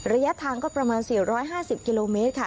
ระยะทางก็ประมาณ๔๕๐กิโลเมตรค่ะ